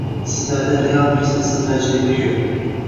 sizlarda real biznesda tajriba ko'p.